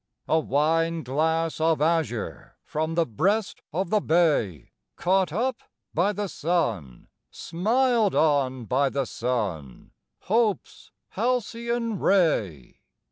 A wine glass of azure From the breast of the bay, Caught up by the sun, Smiled on by the sun, Hope's halcyon ray!